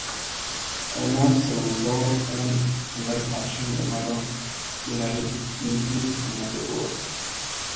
Además, se lanzó un Live-Action llamado Mirai Nikki: Another World.